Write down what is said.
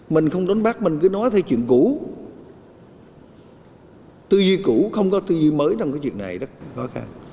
mình không đánh bác mình cứ nói theo chuyện cũ tư duy cũ không có tư duy mới trong cái chuyện này rất khó khăn